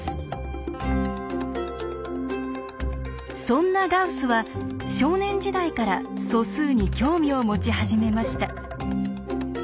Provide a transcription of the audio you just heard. そんなガウスは少年時代から素数に興味を持ち始めました。